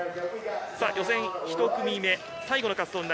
予選１組目、最後の滑走。